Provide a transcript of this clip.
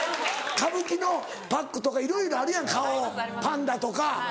歌舞伎のパックとかいろいろあるやん顔パンダとか。